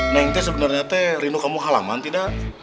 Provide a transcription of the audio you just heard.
neng sebenernya rindu kamu halaman tidak